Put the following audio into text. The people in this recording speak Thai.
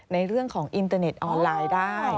ในเรื่องของอินเตอร์เน็ตออนไลน์ได้